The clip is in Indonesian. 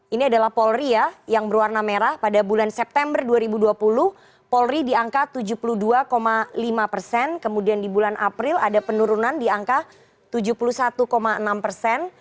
ini adalah polri ya yang berwarna merah pada bulan september dua ribu dua puluh polri di angka tujuh puluh dua lima persen kemudian di bulan april ada penurunan di angka tujuh puluh satu enam persen